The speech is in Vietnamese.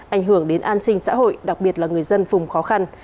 ảnh hưởng đến an sinh xã hội đặc biệt là người dân vùng khó khăn